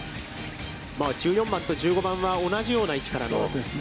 １４番と１５番は、同じような位置からの。